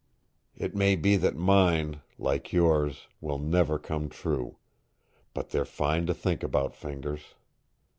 "It may be that mine, like yours, will never come true. But they're fine to think about, Fingers.